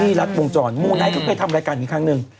ที่รัฐวงจรมุมไหนเค้าไปทำรายการอีกครั้งนึง